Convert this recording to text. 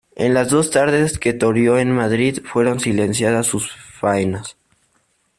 En las dos tardes que toreó en Madrid fueron silenciadas sus faenas.